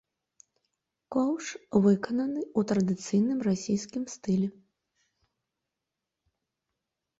Коўш выкананы ў традыцыйным расійскім стылі.